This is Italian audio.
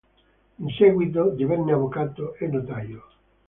In seguito divenne avvocato e notaio.